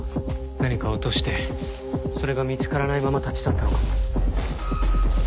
何かを落としてそれが見つからないまま立ち去ったのかも。